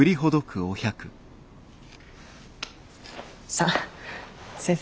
さあ先生